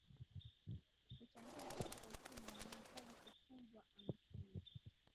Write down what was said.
kuchangia katika uchumi wanahitaji kutunzwa Amesema